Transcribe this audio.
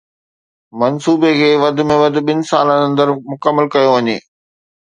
منصوبي کي وڌ ۾ وڌ ٻن سالن اندر مڪمل ڪيو وڃي.